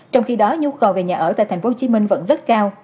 trong khi đó nhu cầu về nhà ở tại tp hcm vẫn rất cao